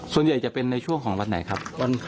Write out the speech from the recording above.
ส่วนใหญ่จะเป็นในช่วงของวันไหนครับ